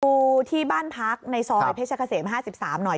ดูที่บ้านพักในซอยเพชรเกษม๕๓หน่อย